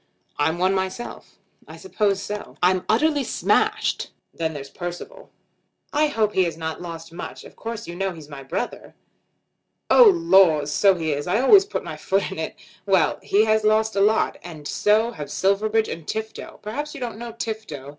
"I'm one myself." "I suppose so." "I'm utterly smashed. Then there's Percival." "I hope he has not lost much. Of course you know he's my brother." "Oh laws; so he is. I always put my foot in it. Well; he has lost a lot. And so have Silverbridge and Tifto. Perhaps you don't know Tifto."